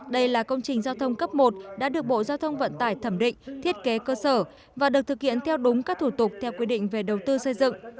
đây là công trình giao thông cấp một đã được bộ giao thông vận tải thẩm định thiết kế cơ sở và được thực hiện theo đúng các thủ tục theo quy định về đầu tư xây dựng